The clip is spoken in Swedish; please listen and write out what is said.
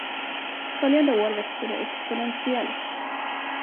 Följande år växer det exponentiellt.